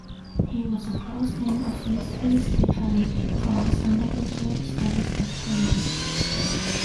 He was a close friend of Leslie Stephen from his undergraduate studies at Cambridge.